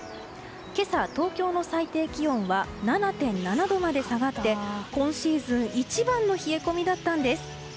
今朝、東京の最低気温は７．７度まで下がって今シーズン一番の冷え込みだったんです。